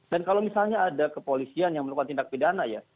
dan kalau misalnya ada kepolisian yang melakukan tindak pidana ya